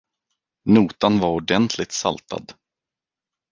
Notan var ordentligt saltad.